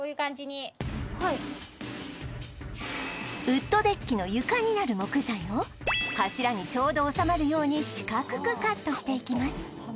ウッドデッキの床になる木材を柱にちょうど収まるように四角くカットしていきます